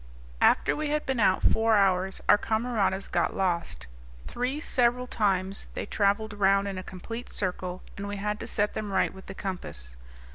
After we had been out four hours our camaradas got lost; three several times they travelled round in a complete circle; and we had to set them right with the compass.